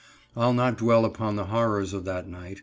I'll not dwell upon the horrors of that night.